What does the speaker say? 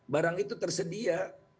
barang itu tersedia